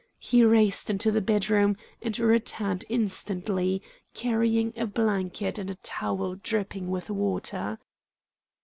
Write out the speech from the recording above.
He raced into the bedroom and returned instantly, carrying a blanket and a towel dripping with water.